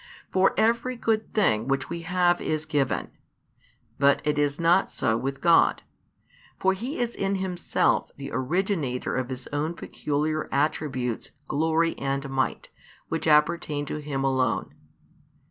For every good thing which we have is given; but it is not so with God. For He is in Himself the originator of His own peculiar attributes, glory and might, which appertain to Him alone.